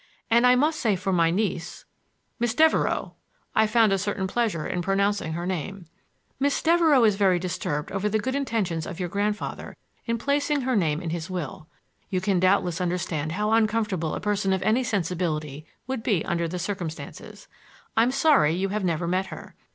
And I must say for my niece—" "Miss Devereux." I found a certain pleasure in pronouncing her name. "Miss Devereux is very greatly disturbed over the good intentions of your grandfather in placing her name in his will. You can doubtless understand how uncomfortable a person of any sensibility would be under the circumstances. I'm sorry you have never met her.